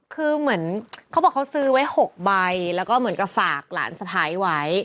คือเหมือนเขาบอกเขาซื้อไว้๖ใบแล้วก็เหมือนกับฝากหลานสะพ้ายไว้